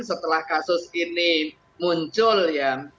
setelah kasus ini muncul ya